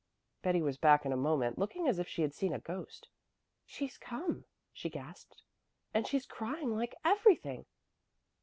Betty was back in a moment, looking as if she had seen a ghost. "She's come," she gasped, "and she's crying like everything."